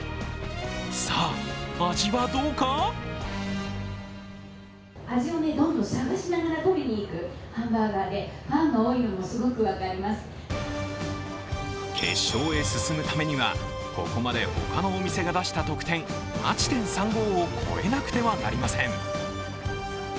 さあ、味はどうか決勝へ進むためには、ここまで他のお店が出した得点８．３５を超えなくてはなりません。